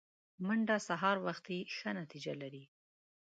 منډه سهار وختي ښه نتیجه لري